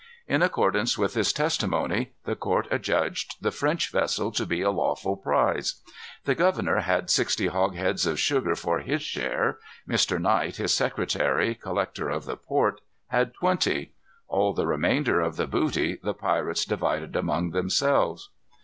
In accordance with this testimony the court adjudged the French vessel to be a lawful prize. The governor had sixty hogsheads of sugar for his share. Mr. Knight, his secretary, collector of the port, had twenty. All the remainder of the booty the pirates divided among themselves.